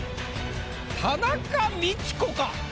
田中道子か？